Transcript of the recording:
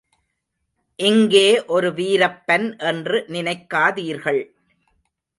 இங்கே ஒரு வீரப்பன் என்று நினைக்காதீர்கள்!